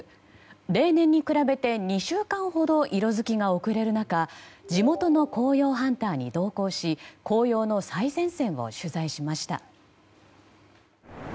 例年に比べて、２週間ほど色づきが遅れる中地元の紅葉ハンターに同行し紅葉の最前線を取材しました。